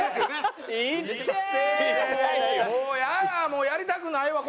もうやりたくないわ。